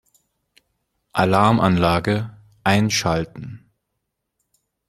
Alarmanlage einschalten.